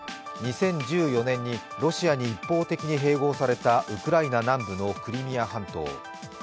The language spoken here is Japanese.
２０１４年にロシアに一方的に併合されたウクライナ南部のクリミア半島。